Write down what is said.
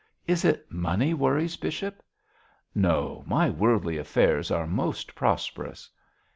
'Is it money worries, bishop?' 'No, my worldly affairs are most prosperous.'